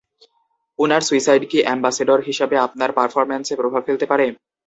উনার সুইসাইড কি অ্যাম্বাসেডর হিসেবে আপনার পারফরম্যান্সে প্রভাব ফেলতে পারে?